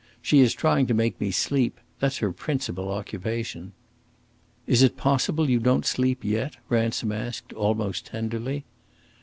She is trying to make me sleep; that's her principal occupation." "Is it possible you don't sleep yet?" Ransom asked, almost tenderly.